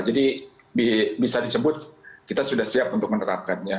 jadi bisa disebut kita sudah siap untuk menerapkannya